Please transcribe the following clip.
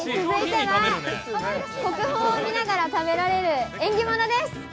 続いては、国宝を見ながら食べられる縁起物です。